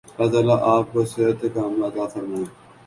اللہ تعالی آپ کو صحت ِکاملہ عطا فرمائے